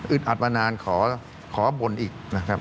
อึดอัดมานานขอบ่นอีก